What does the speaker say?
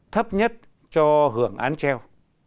thấp nhất cho hưởng án treo